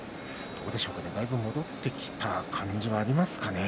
だいぶ戻ってきた感じはありますか。